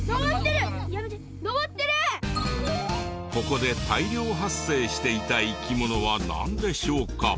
ここで大量発生していた生き物はなんでしょうか？